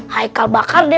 haikal bakar deh